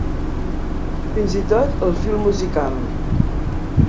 Fins i tot el fil musical.